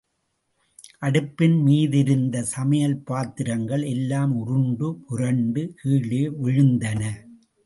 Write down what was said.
அடுப்பின் மீதிருந்த சமையல் பாத்திரங்கள் எல்லாம் உருண்டு, புரண்டு கீழே விழுந்தன.